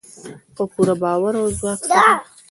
په پوره باور او ځواک سره.